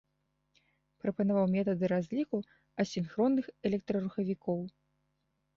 Прапанаваў метады разліку асінхронных электрарухавікоў.